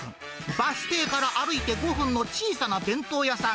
バス停から歩いて５分の小さな弁当屋さん。